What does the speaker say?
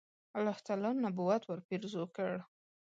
الله تعالی نبوت ورپېرزو کړ.